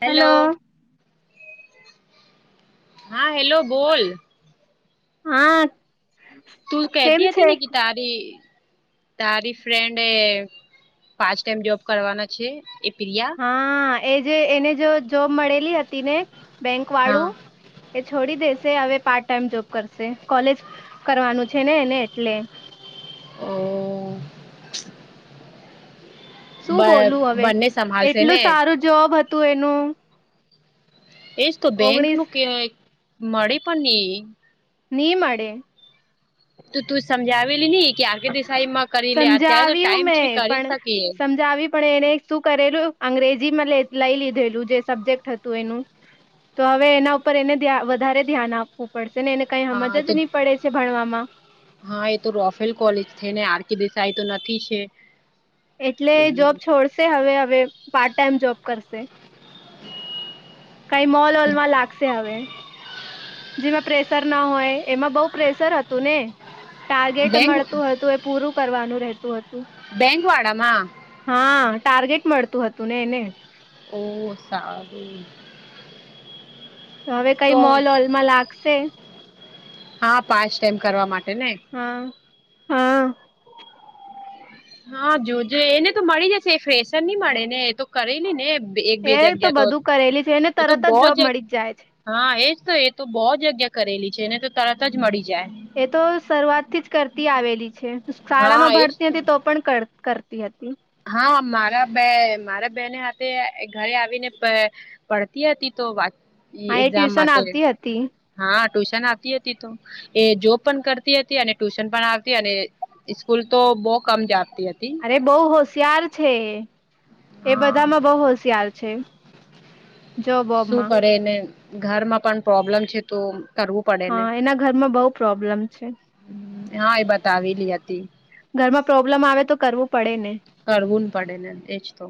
Hello હા hello બોલ. આઠ. તું કહેતી હતી ને કે તારી તારી ફ્રેન્ડે પાંચ ટાઈમ જોબ કરવાના છે એ પીરિયા હા એ જે એને જો જોબ મળેલી હતી ને બેંક હા વાળું એ છોડી દેશે હવે પાર્ટ ટાઈમ જોબ કરશે કોલેજ કરવાનું છે ને એને એટલે ઓ શું બ બોલું હવે બંને સંભાળશે ને એટલું સારું જોબ હતું એનું એજ તો બેંક નું ઓગણીસ કે મળે પણ નહી. ની મળે. તો તું સમજાવેલી નહી કે આ કે દિસાઈમાં કરી લે અત્યારે તો સમજાવ્યું ટાઈમ છે મેં કરી પણ શકીએ. સમજાવી પણ એને શું કરેલું અંગ્રેજીમાં લઈ લીધેલું જે સબ્જેક્ટ હતું એનું તો હવે એના ઉપર એને વધારે ધ્યાન આપવું પડશે ને એને કઈ સમજ હા જ તો નહી પડે છે ભણવામાં. હા એ તો રોફેલ કોલેજ છે ને આર કે દેસાઈ તો નથી છે. એટલે જોબ છોડશે હવે હવે પાર્ટ ટાઈમ જોબ કરશે. કઈ મોલ વોલ માં લાગશે હવે. જેમાં પ્રેશર ના હોય એમાં બહુ પ્રેશર હતું ને ટાર્ગેટ બેંક મળતું હતું એ પૂરું કરવાનું રહેતું હતુ. બેંકવાળા માં હા ટાર્ગેટ મળતું હતું ને એને ઓ સારુ તો હવે કઈ મોલ વોલમાં લાગશે હા પાચ ટાઈમ કરવા માટે ને હા. હા હા જોજ એને તો મળી જશે ફેશન નની મળે ને તો કરેલી ને એક બે એ જગ્યા તો બધું કરેલી છે એને એ તો તરત બહ જોબ જ મળી જાય છે હા એજ તો એ તો બહુ જ જગ્યા કરેલી છે એને તો તરત જ મળી જાય એ તો શરૂઆત થી જ કરતી આવેલી છે હા શાળામાં એજ ભરતી હતી તો પણ કરતી કરતી હતી. હા મારા બે મારા બેને હાથે ઘરે આવીને પડતી હતી તો હા એ એક્ઝામ ટ્યુશન માટે આવતી હતી હા ટ્યુશન આપતી હતી તો એ જોબ પણ કરતી હતી અને ટ્યુશન પણ આવતી અને સ્કૂલ તો બહ કમ જાતી હતી. એ બહ હોશિયાર છે એ હા બધામાં બહ હોશિયાર છે. જો શું બોબમાં કરેને ઘરમાં પણ પ્રોબ્લેમ છે, તો. કરવું પડે ને હા એના ઘરમાં બહુ પ્રોબ્લેમ છે. હા એ બતાવેલી હતી. ઘરમાં પ્રોબ્લેમ આવે તો કરવું પડે ને. કરવું પડે ને એજ તો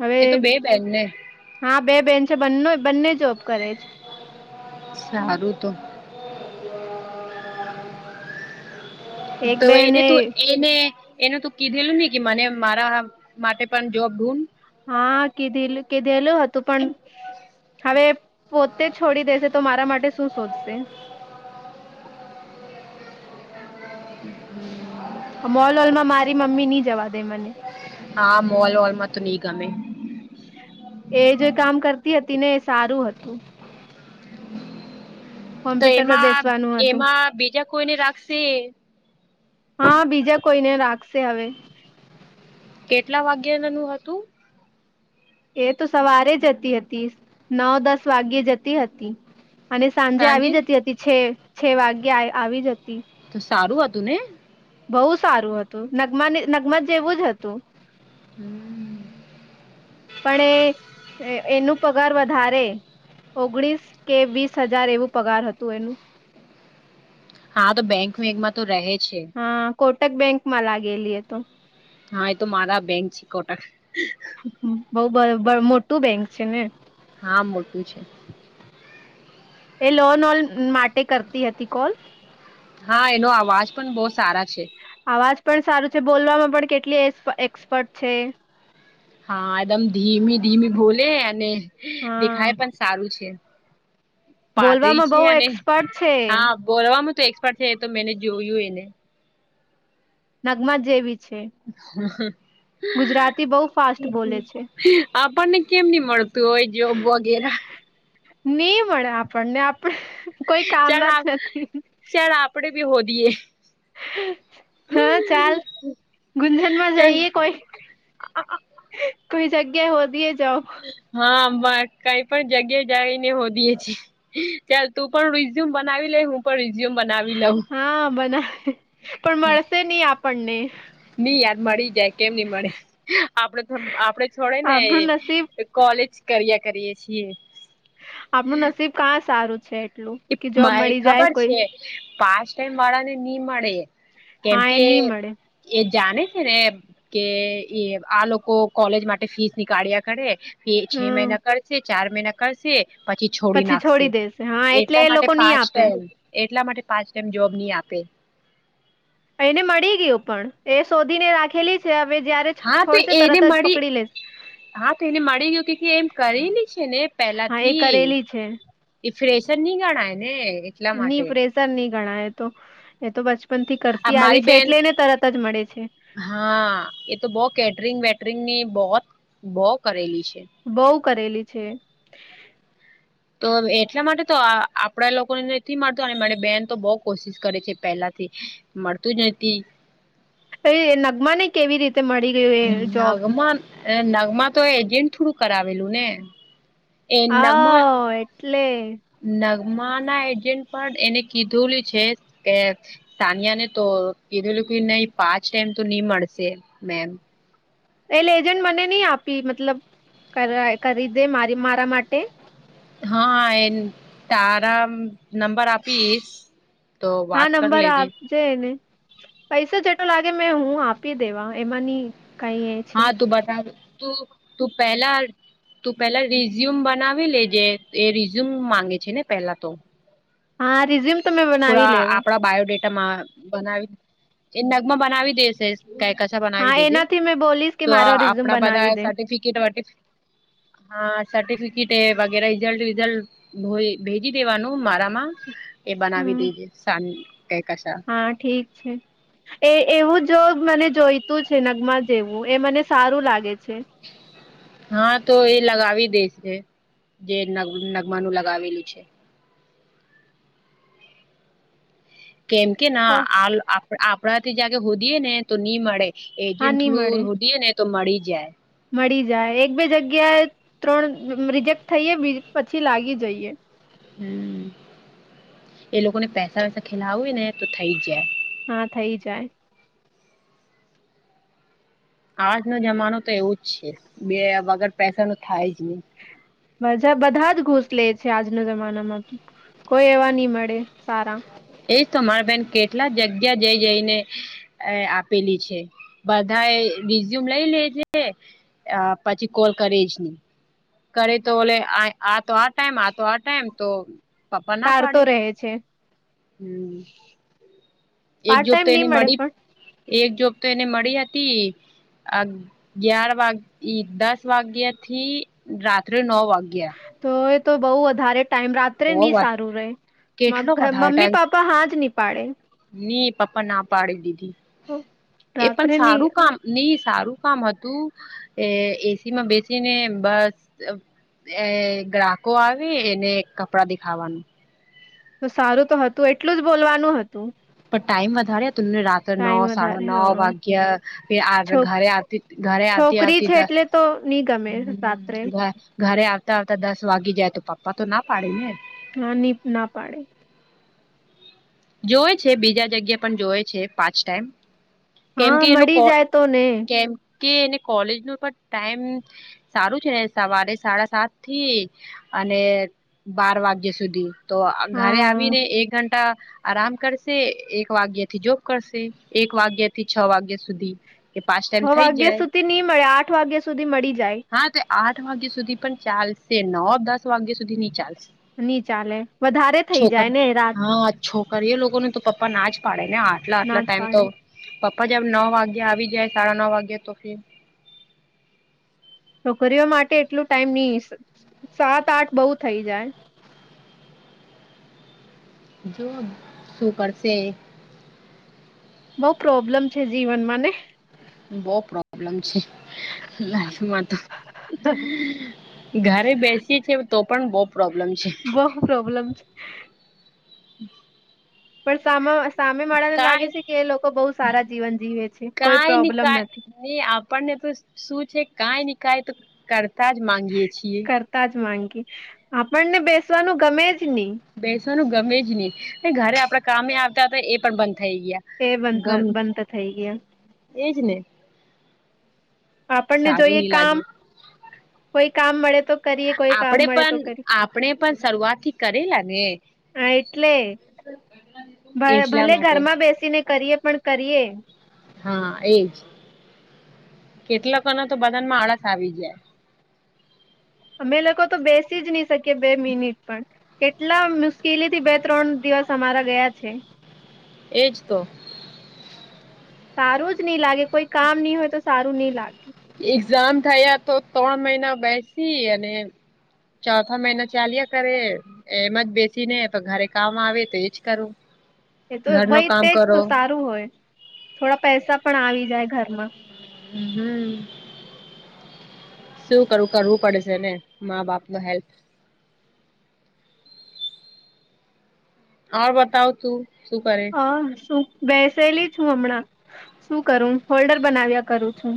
હવે એ તો બે બેન ને હા બે બેન છે બંને બંને જોબ કરે છે. સારું તો છે એક તો એને બેને તું એ એ એનું તો કીધેલું ને કે મને મારા માટે પણ જોબ ઢૂંઢ હા કીધેલું કીધેલું હતું પણ હવે પોતે છોડી દેશે તો મારા માટે શું શોધશે હમ મોલ હોલ માં મારી મમ્મી નની જવા દે મને હા મોલ વલમાં તો નહી ગમે એ જે કામ કરતી હતી ને એ સારું હતુ. તો કોમ્પ્યુટર પર એમાં બેસવાનું હતું એમાં બીજા કોઈને રાખશે. હા બીજા કોઈને રાખશે હવે. કેટલા વાગ્યા નું હતુ. એ તો સવારે જતી હતી નવ દસ વાગ્યે જતી હતી. અને સાંજે આવી જતી હતી છે છે વાગે આવી જતી તો સારું હતું ને બહુ સારું હતું નગમા નગમ જેવું જ હતુ. હમ્મ પણ એ એનું પગાર વધારે ઓગણીસ કે વીસ હજાર એવું પગાર હતું એનુ હા તો બેંક મેંકમાં તો રહે છે. હા કોટક બેંકમાં લ ગેલી ત હા એ તો મારા બેંક છે કોટક બઉ મોટું બેંક છે ને હા મોટું છે. એ લોન ઓન માટે કરતી હતી કોલ હા એનો અવાજ પણ બહુ સારા છે. અવાજ પણ સારું છે બોલવામાં પણ કેટલી એક્સપર્ટ છે. હા એકદમ ધીમી ધીમી બોલે અને દેખાય હા પણ સારું છે. પાતળી બોલવામાં છે બહુ અને એક્સપર્ટ છે હા બોલવામાં તો એક્સપર્ટ છે એ તો મેને જોયું એને નગમાં જેવી છે. હ ગુજરાતી બહુ ફાસ્ટ બોલે છે આપણને કેમ ની મળતું હોય જોબ વગેરે નહી મળે આપણને આપણે કોઈ કામના જ નથી ચ્યારે આપણેે ભી હો દઈએ હા ચાલ ગુંજનમાં ચાલ જઈએ કોઈ કોઈ જગ્યા હો દએ જાઓ હા કઈ પણ જગ્યા જાયને હોદીએ છેીએ ચાલ તું પણ રિઝ્યુમ બનાવી લે હું પણ રિઝ્યુમ બનાવી લઉં હા બનાવે પણ મળશે નહી આપણને નઈ યાર મળી જાય કેમ નહી મળે આપડ આપડે છોડે ને આપણું નસીબ કોલેજ કર્યા કરીએ છીએ આપણું નસીબ કાં સારું છે એટલું કે જોબ મળી જાય કોઈ પાચ ટાઈમ વાળા ને નહી મળે કેમ હા એ કે નહી મળે એ જાણે છે ને કે આ લોકો કોલેજ માટે ફીસ નીકળ્યા કરે એ છે હમ મહિના કરશે ચાર મહિના કરશે પછી છોડી નાખશે દેશે હા એટલે એટલા એ માટે લોકો નહી પાંચ આપે ટાઈમ એટલા માટે પાંચ ટાઈમ જોબ નહી આપે એને મળી ગયું પણ એ શોધીને રાખેલી છે હવે જયારે હા તો છોડશે એને તરત જ મળી પકડી લેશે હા તો એને મળી ગયયો કે એમ કરીલી છે ને પેલા હા એ થી કરેલી છે એઇ ફ્રેશર નની ગાણા એને નની પ્રેશર નહી ગણાાય એ તો એ તો બચપ થી આ કરતી આવી મારી છે બેન એટલે એને તરત જ મળે છે. હા એ તો બહ કેટરિંગ વેટરિંગ ની બહત બહ કરેલી છે. બઉુ કરેલી છે તો એટલા માટે તો આપડા લોકોને નથી મળતો અને મારી બેન તો બહ કોશિશ કરે છે પહેલાથી મળતું જ નહ નગમા ને કેવી રીતે મળી ગયું એ જોબ નગમાં નગમાં તો એજન્ટ થોડું કરાવેલું ને એ નગમા હા એટલે નગમા ના એજન્ટ પણ એને કીધુંલું છે કે સાનિયા ને તો કીધુંલું કે નહી પાંચ ટાઈમ તો નહી મળશે મેમ એલે એજન્ટ મને નઈ આપી મતલબ કરી દે મારી મારા માટે હા એ તારા નંબર આપીશ તો હા વાત કર નંબર લેજે છેને પૈસા જેટલો લાગે મેં હું આપી દેવા એમાંની કઈ છે હા તું બતાવ તું તું પહેલા તું પેલા રિઝ્યુમ બનાવી લેજે એ રિઝ્યુમ માંગે છે ને પેલા તો હા રિઝ્યુમ તો મેં બનાવી પરા લેવા આપડા બાયોડેટા બનાવી એ નગમાં બનાવી દેશે ક બનાવી હા દેજે એનાથી મેં બોલીશ કે તો મારો રિઝ્યુમ આપણા બનાવી બધા દે સર્ટિફિકેટ વ હા સર્ટિફિકેટ વગેરે રિઝલ્ટ વિઝલ્ટ ભેજી દેવાનું મારામાં એ બનાવી હમ દેજે સા ક કા છેી એ એવું જો મને જોઈતું છે નગમાં જેવું એ મને સારું લાગે છે. હા તો એ લગાવી દે છે. જે નગમાનું લગાવેલું છે. કેમ કે હ. આપડા જ હોદીએ ને તો નહી મળે એજન્ટ નહી મળે થોડું હોદીએ ને તો મળી જાય. મળી જાય એક બે જગ્યાએ ત્રણ રિજેક્ટ થઈએ બી પછી લાગી જઈએ. હમ એ લોકો ને પૈસા વૈસા ખેલાવય ને તો થઇ જ જાય. હા થઇ જાય. આજનો જમાનો તો એવું જ છે બે વગર પૈસા ન થાય જ નહી. મજા બધા જ ઘૂસ લે છે. આજના જમાનામાં તો કોઈ એવા નહ મળે સારા. એજ તમારા બેન કેટલા જગ્યા જઈ જઈને આપેલી છે. બધા એ રિઝ્યુમ લઈ લેજે પછી કોલ કરીજ નહી. કરે તો બલે આ તો આ ટાઈમ આતો આ ટાઈમ તો પપ્પા ના ટારતો પાડે રહે છે. હમ એક પાર્ટ જોબ તો ટાઈમ નહી એને મળ મળે પણ એક જોબ તો એને મળી હતી. અગ્યયાર વાગ દસ વાગ્યા થી રાત્રે નવ વાગ્યા. તો એ તો બઉ વધારે ટાઈમ રાત્રે નહી બહ સારું રહે. મ કેટલો વધારે મમ્મી ટાઈમ પાપ્પા હાજ ની પાડે. ની પાપ્પા ના પાડી દીધી. એ પણ રાત્રે નહી સારું કામ નઈ સારું કામ હતું. એ એસી માં બેસીને બસ એ ગ્રાહકો આવે એને કપડા દેખાવાનું. તો સારું તો હતું એટલું જ બોલવાનું હતું. પણ ટાઈઇમ વધારે તમને રાત- નવ ટાઈમ સાડા વધારે નવ હા વાગ્યા છો ઘરેતી ઘરે આવતી છોકરી આવતી છે એટલે તો નહી ગમે હમ રાત્રે ઘરે આવતા આવતા દસ વાગી જાય તો પપ્પા તો ના પાડી ને. ના ના પાડે. જોવે છે બીજા જગ્યા પણ જોવે છે પાંચ ટાઈમ કેમ હા કે એનો મળી જાય તો ને કેમકે એને કોલેજ ન પણ ટાઈમ સારું છે સવારે સાડા સાત થી અને બાર વાગ્ય સુધી. તો હા ઘરે આવીને એક ઘંટા આરામ કરશે એક વાગ્ય થી જોબ કરશે એક વાગ્ય થી છ વાગ્યા સુધી. એ પાંચ છ ટાઈમ થઈ વાગ્યા જાય સુધી નહી મળે આઠ વાગ્યા સુધી મળી જાય. હા તો આઠ વાગ્યા સુધી પણ ચાલશે. નવ દસ વાગ્યા સુધી નહી ચાલશે. નની ચાલે વધારે થઈ જાય ને રાત છોકરી એ લોકોને તો પપ્પા ના જ પાડે ને આટલા ના આટલા જ ટાઈમ તો પાડે પપ્પા જબ નવ વાગે આવી જાય સાડા નવ વાગે તો ફી છોકરીઓ માટે એટલું ટાઈમ નઈ સાત આઠ બઉ થઈ જાય. જો શું કરશે બહુ પ્રોબ્લેમ છે જીવનમાં ને. બહ પ્રોબ્લેમ છે લાઈફમાં તો. ઘરે બેસીએ છી તો પણ બહુ પ્રોબ્લેમ છે. બહુ પ્રોબ્લેમ છે પણ સા સામે વાળા ને લાગે કાઈ છે કે એ લોકો બહુ સારા જીવન જીવે છે કોઈ પ્રોબ્લેમ નથી ને આપણને તો શું છે કઈ ને કઈ તો કરતા જ માંગીયે છીએ કરતા જ માંગી આપણને બેસવાનું ગમે જ ની બેસવાનું ગમે જ ની અને ઘરે આપડા કામે આવતા હતા એ પણ બંધ થઈ ગયા એ બં ગમ બંધ થઈ ગયા એજ ને આપણને સારું જોઈએ નહી કામ લાગે કોઈ કામ મળે તો કરીએ કોઈ આપડે કામ મળે પણ તો કરીએ આપણે પણ શરૂઆત થી કરેલા ને હા એટલે એટલા ભલે માટે ઘરમાં બેસીને કરીએ પણ કરીએે હા એજ કેટલાકોના તો બધાનમાં આળસ આવી જાય અમે લોકો તો બેસી જ ની શકીએ બે મિનિટ પણ કેટલા મુશ્કેલી થી બે ત્રણ દિવસ અમારા ગયા છે એજ તો સારું જ ની લાગે કોઈ કામ ની હોય તો સારું ની લાગે એક્ઝામ થયા તો ત્રણ મહિના બેસી અને ચોથા મહિના ચાલિયા કરે એમ જ બેસીને પણ ઘરે કામ આવે તો એજ કરવું એ તો ભય તેજ તો સારું હોય થોડા પૈસા પણ આવી જાય ઘરમાં હમ શું કરવું કરવું પડશે ને મા બાપ ને હેલ્પ આવ બતાવ તું શું કરે. હ શું બેસેલી છું હમણાં શું કરું હોલ્ડર બનાવ્યા કરું છું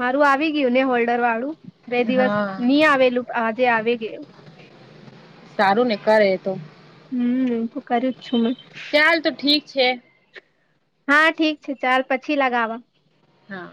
મારું આવી ગયું ને હોલ્ડર વાળું બે દિવસ હા ની આવેલું આજે આવી ગયું સારું ને કરે તો હમ એમ તો કરે જ છે ને ચાલ તો ઠીક છે હા ઠીક છે ચાલ પછી લગાવા હા